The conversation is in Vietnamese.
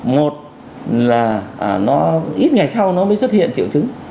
một là nó ít ngày sau nó mới xuất hiện triệu chứng